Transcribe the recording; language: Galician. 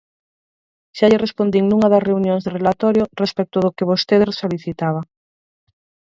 Xa lle respondín nunha das reunións de relatorio respecto do que vostede solicitaba.